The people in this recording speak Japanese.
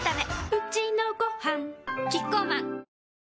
うちのごはんキッコーマン